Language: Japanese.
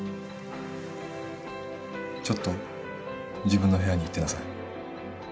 ちょっと自分の部屋に行ってなさい。